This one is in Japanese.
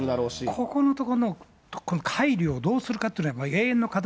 ここのところのこのかい離をどうするかっていうのは永遠の課